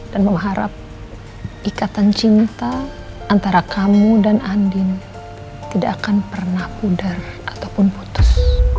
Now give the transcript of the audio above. dan mama harap ikatan cinta antara kamu dan andin tidak akan pernah pudar ataupun putus